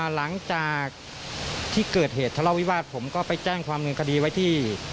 หลังจากที่เกิดเหตุทะเลาวิวาสผมก็ไปแจ้งความเงินคดีไว้ที่